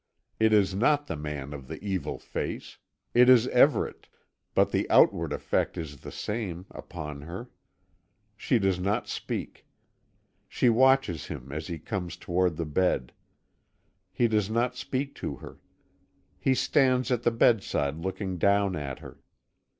It is not the man of the evil face. It is Everet; but the outward effect is the same, upon her. She does not speak. She watches him as he comes toward the bed. He does not speak to her. He stands at the bedside looking down at her.